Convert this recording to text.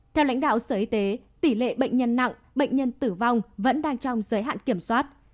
theo lãnh đạo sở y tế tỷ lệ bệnh nhân nặng bệnh nhân tử vong vẫn đang trong giới hạn kiểm soát